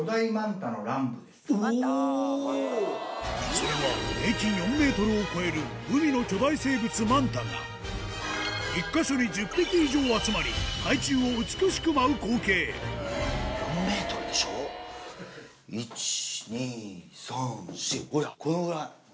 それは平均４ｍを超える海の巨大生物マンタが１か所に１０匹以上集まり海中を美しく舞う光景１・２・３・４。